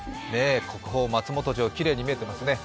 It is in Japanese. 国宝・松本城、きれいに見えていますね。